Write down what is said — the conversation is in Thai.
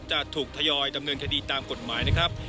จะถูกทยอยดำเนินคดีตามกฎหมายนะครับ